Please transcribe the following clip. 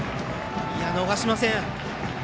逃しません。